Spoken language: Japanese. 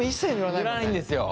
塗らないんですよ。